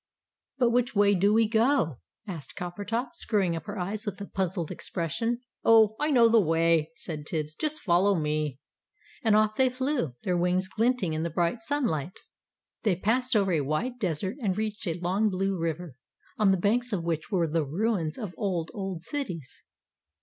"But which way do we go?" asked Coppertop, screwing up her eyes with a puzzled expression. "Oh, I know the way," said Tibbs. "Just follow me." And off they flew, their wings glinting in the bright sunlight. They passed over a wide desert, and reached a long, blue river, on the banks of which were the ruins of old, old cities.